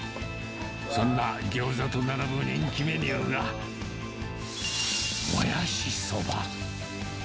そんなギョーザと並ぶ人気メニューが、もやしそば。